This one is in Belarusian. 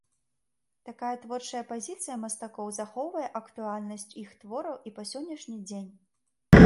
Такая творчая пазіцыя мастакоў захоўвае актуальнасць іх твораў і па сённяшні дзень.